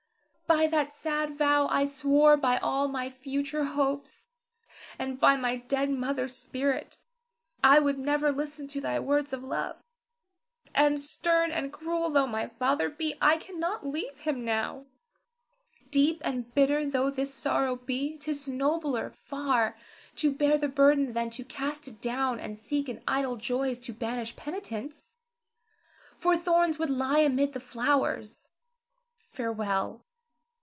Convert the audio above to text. By that sad vow I swore by all my future hopes, and by my dead mother's spirit, I would never listen to thy words of love. And stern and cruel tho' my father be, I cannot leave him now. Deep and bitter though this sorrow be, 'tis nobler far to bear the burden than to cast it down and seek in idle joys to banish penitence; for thorns would lie amid the flowers. Farewell!